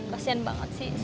kasian banget sih